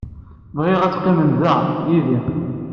Bɣiɣ ad teqqimem da, yid-i.